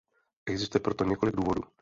Existuje pro to několik důvodů.